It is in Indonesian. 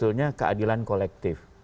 sebetulnya keadilan kolektif